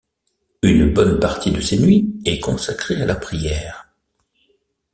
Une bonne partie de ses nuits est consacrée à la prière.